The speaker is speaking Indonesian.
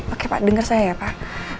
oke pak dengar saya ya pak